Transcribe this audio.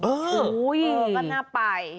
ก็น่าไป